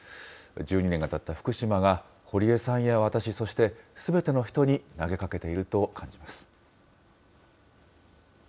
１２年がたった福島が、堀江さんや私、そしてすべての人に投げかけていると感じます。